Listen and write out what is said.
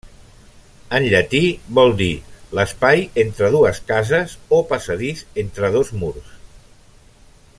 En llatí vol dir l'espai entre dues cases o passadís entre dos murs.